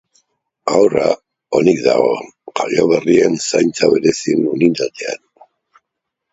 Haurra onik dago, jaioberrien zaintza berezien unitatean.